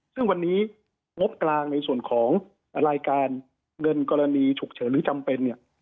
ซึ่งวันนี้งบกลางในส่วนของรายการเงินกรณีฉุกเฉินหรือจำเป็นเนี่ย